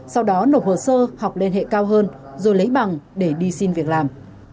sau đó nộp hồ sơ học liên hệ cao hơn rồi lấy bằng để đi xin việc làm